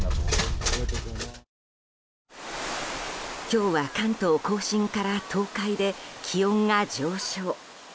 今日は関東・甲信から東海で気温が上昇。